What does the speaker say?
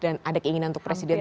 dan ada keinginan untuk presiden